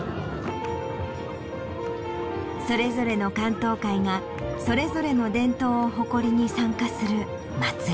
それぞれの竿燈会がそれぞれの伝統を誇りに参加するまつり。